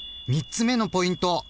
３つ目のポイント